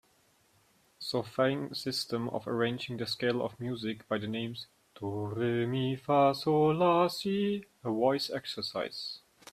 Solfaing system of arranging the scale of music by the names do, re, mi, fa, sol, la, si a voice exercise.